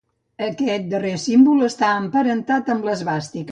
Aquest darrer símbol està emparentat amb l'esvàstica.